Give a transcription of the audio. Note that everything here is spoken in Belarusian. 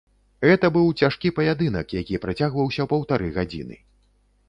Гэта быў цяжкі паядынак, які працягваўся паўтары гадзіны.